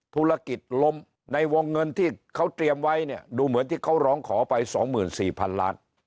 ธุรกิจล้มในวงเงินที่เขาเตรียมไว้เนี่ยดูเหมือนที่เขาร้องขอไป๒๔๐๐๐ล้าน